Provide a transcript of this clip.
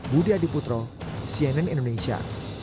budi adiputro cnn indonesia